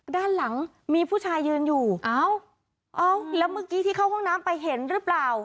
ด้านหลังมีผู้ชายยืนอยู่อ้าวเอ้าแล้วเมื่อกี้ที่เข้าห้องน้ำไปเห็นหรือเปล่า